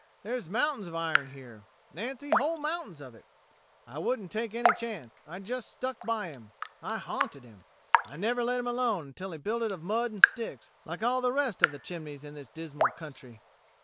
There's mountains of iron here, Nancy, whole mountains of it. I wouldn't take any chance, I just stuck by him I haunted him I never let him alone until he built it of mud and sticks, like all the rest of the chimneys in this dismal country."